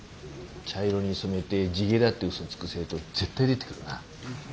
茶色に染めて地毛だって嘘つく生徒絶対出てくるな。